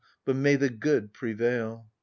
But may the good prevail !